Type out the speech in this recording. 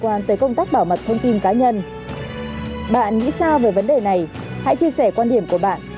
a cổng truyện hình công an